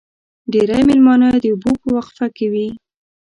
ډېری مېلمانه د اوبو په وقفه کې وي.